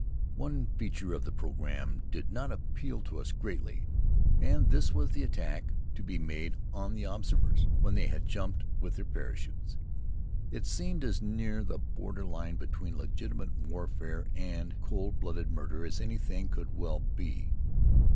One feature of the programme did not appeal to us greatly, and this was the attack to be made on the observers when they had jumped with their parachutes. It seemed as near the border line between legitimate warfare and cold blooded murder as anything could well be.